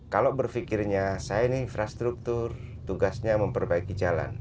kalau berpikirnya saya ini infrastruktur tugasnya memperbaiki jalan